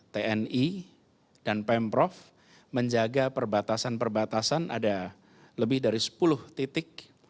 tni dan pemprov menjaga perbatasan perbatasan ada lebih dari sepuluh titik